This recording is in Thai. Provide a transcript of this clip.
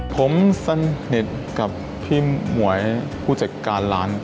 ผมสนิทกับพี่หมวยผู้จัดการร้าน